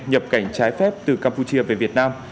nhập cảnh trái phép từ campuchia về việt nam